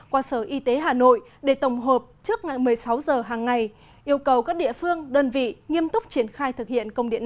qua sở y tế hà nội để tổng hợp trước ngày một mươi sáu giờ hàng ngày yêu cầu các địa phương đơn vị nghiêm túc triển khai thực hiện công điện này